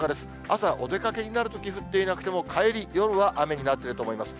朝お出かけになるとき、降っていなくても、帰り、夜は雨になっていると思います。